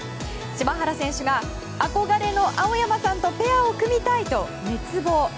柴原選手が憧れの青山さんとペアを組みたいと熱望。